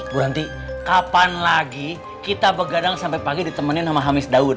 bu ranti kapan lagi kita begadang sampai pagi ditemenin sama hamis daud